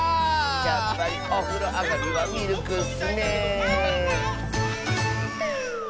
やっぱりおふろあがりはミルクッスねえ。